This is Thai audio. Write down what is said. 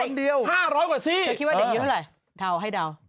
เขาคิดว่าเด็กนี้เท่าไหร่เท่าให้เดา